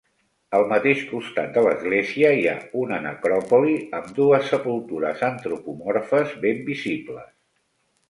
Al mateix costat de l'església hi ha una necròpoli, amb dues sepultures antropomorfes ben visibles.